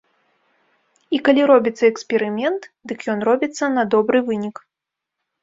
І калі робіцца эксперымент, дык ён робіцца на добры вынік.